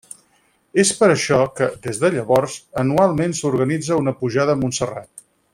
És per això que, des de llavors, anualment s'organitza una pujada a Montserrat.